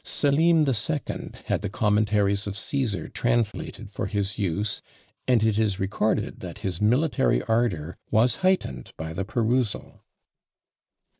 Selim the Second had the Commentaries of Cæsar translated for his use; and it is recorded that his military ardour was heightened by the perusal.